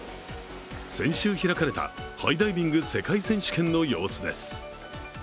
先週開かれたハイダイビング世界選手権の様子です。